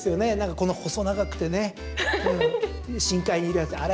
この細長くて深海にいるやつ。